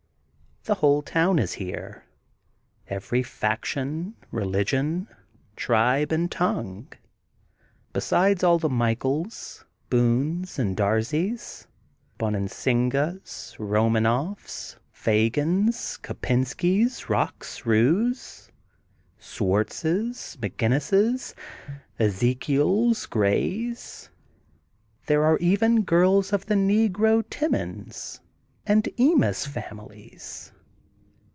The whole town is here; every faction, religion, tribe and tongue. Besides all the Michaels, Boones and Darsies, Bonansingas, Bomanoffs, Fagins, Kopenskys, Bocks, Bues, Swartzes, McGinnisses, Ezekiels, Greys, there are even girls of the negro Timmons and Ends families.